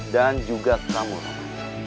dan juga kamu pak